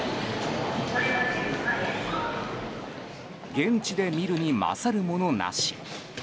現地で見るに勝るものなし。